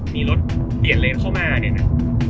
มีรถเปลี่ยนเลนเข้ามาเนี่ยนะ